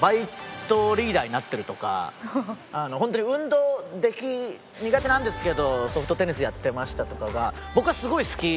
バイトリーダーになってるとか本当に運動苦手なんですけどソフトテニスやってましたとかが。